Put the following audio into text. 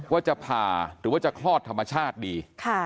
ว่าจะผ่าหรือว่าจะคลอดธรรมชาติดี